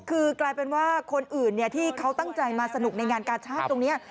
คือกลายเป็นว่าคนอื่นที่เขาตั้งใจมาสนุกในงานกาชาติตรงนี้